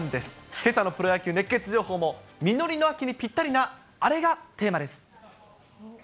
けさのプロ野球熱ケツ情報も実りの秋にぴったりなあれがテーマです。